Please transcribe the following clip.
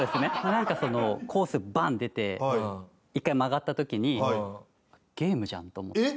なんかそのコースバンッて出て１回曲がった時に「ゲームじゃん」と思って。